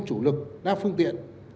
chủ lực đa phương tiện